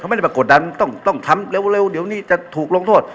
ไม่ได้มากดดันต้องทำเร็วเดี๋ยวนี้จะถูกลงโทษ